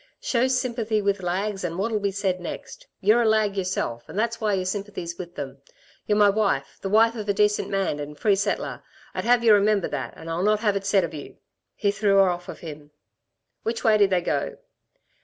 Show sympathy with lags, and what'll be said next? You're a lag yourself and that's why your sympathy's with them. Y're my wife, the wife of a decent man and free settler, I'd have y'r remember that, and I'll not have it said of you!" He threw her off from him. "Which way did they go?"